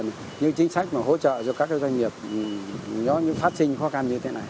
những chính sách mà hỗ trợ cho các doanh nghiệp nếu như phát sinh khó khăn như thế này